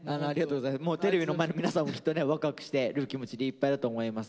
もうテレビの前の皆さんもきっとねワクワクしてる気持ちでいっぱいだと思います。